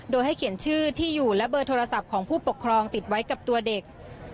โดยให้เขียนชื่อที่อยู่และเบอร์โทรศัพท์ของผู้ปกครองติดไว้กับตัวเด็ก